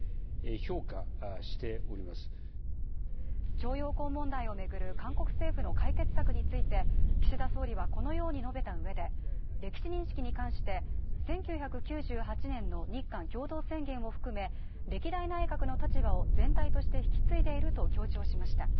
徴用工問題を巡る韓国政府の解決策について岸田総理はこのように述べたうえで、歴史認識に関して１９９８年の日韓共同宣言を含め歴代内閣の立場を全体として引き継いでいると強調しました。